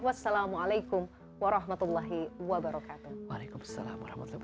wassalamualaikum warahmatullahi wabarakatuh